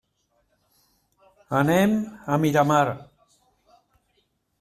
Anem a Miramar.